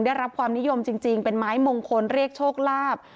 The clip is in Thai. ได้รับความนิยมจริงเป็นไม้มงคลเรียกโชคลาภ